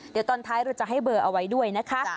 เดี๋ยวตอนท้ายเราจะให้เบอร์เอาไว้ด้วยนะคะ